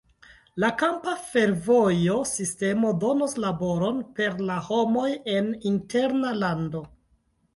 La kampa fervojo sistemo donos laboron per la homoj en interna lando.